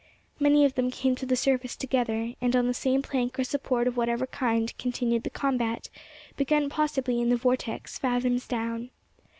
Many of them came to the surface together, and on the same plank or support of whatever kind continued the combat, begun possibly in the vortex fathoms down.